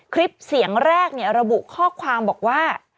คลิปเสียงแรกระบุข้อความบอกว่า